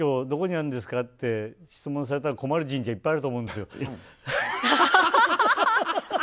どこにあるんですか？って聞かれたら困る神社いっぱいあると思うんですよ。